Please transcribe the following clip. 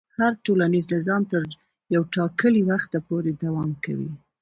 هر ټولنیز نظام تر یو ټاکلي وخته پورې دوام کوي.